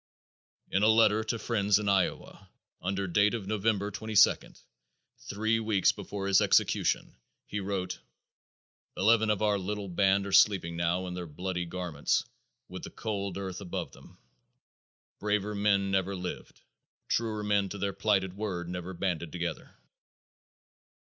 In a letter to friends in Iowa, under date of November 22d, three weeks before his execution, he wrote: "Eleven of our little band are sleeping now in their bloody garments with the cold earth above them. Braver men never lived; truer men to their plighted word never banded together."